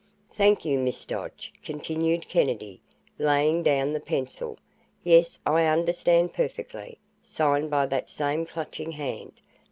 "Thank you, Miss Dodge," continued Kennedy, laying down the pencil. "Yes, I understand perfectly signed by that same Clutching Hand.